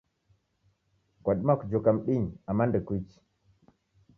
Kwadima kujoka mdinyi ama ndekuichi?